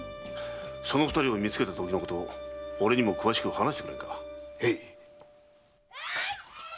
その二人見つけたときのこと俺にも詳しく話してくれんか？